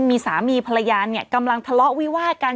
มีสามีภรรยาเนี่ยกำลังทะเลาะวิวาดกัน